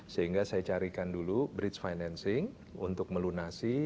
sehingga saya carikan dulu bridge financing untuk melunasi